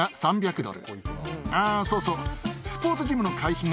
あぁそうそう。